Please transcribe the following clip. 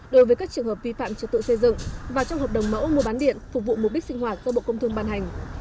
đối với các trường hợp vi phạm trật tự xây dựng và trong hợp đồng mẫu mua bán điện phục vụ mục đích sinh hoạt do bộ công thương ban hành